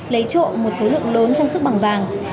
lấy trộm một số lượng lớn trang sức bằng vàng